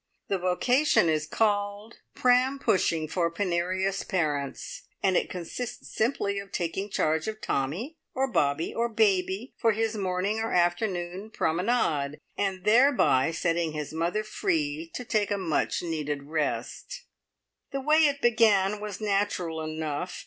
The vocation is called "Pram Pushing for Penurious Parents," and it consists simply of taking charge of Tommy, or Bobby, or Baby for his morning or afternoon promenade, and thereby setting his mother free to take a much needed rest! The way it began was natural enough.